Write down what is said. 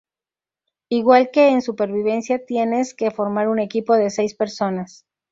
Igual que en supervivencia tienes que formar un equipo de seis personas.